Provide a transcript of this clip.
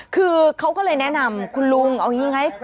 คือเขาก็เลยแนะนำคุณลุงเอาอย่างนี้ไง